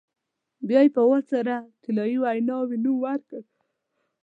بیا یې په وار سره طلایي ویناوی نوم ورکړ.